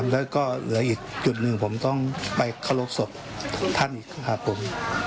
แล้วก็เหลืออีกจุดหนึ่งผมต้องไปเคารพศพท่านอีกครับผม